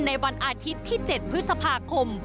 ในวันอาทิตย์ที่๗พฤษภาคม